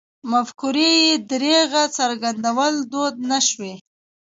مفکورې بې درېغه څرګندول دود نه شوی.